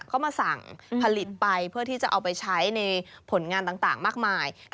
เขามาสั่งผลิตไปเพื่อที่จะเอาไปใช้ในผลงานต่างมากมาย